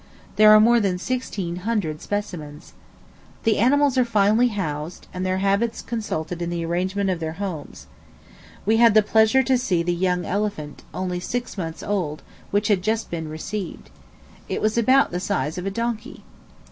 There are more than sixteen hundred specimens. The animals are finely housed, and their habits consulted in the arrangements of their homes. We had the pleasure to see the young elephant, only six months old, which had just been received. It was about the size of a donkey.